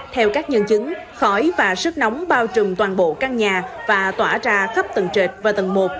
theo các nhân chứng khói và sức nóng bao trùm toàn bộ căn nhà và tỏa ra khắp tầng trệt và tầng một